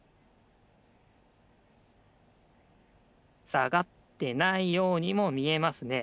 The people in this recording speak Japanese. さがってないようにもみえますね。